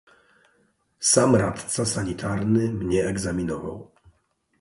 "Sam radca sanitarny mnie egzaminował."